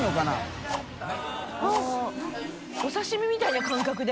井森）お刺し身みたいな感覚で？